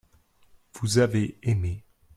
vous avez aimé.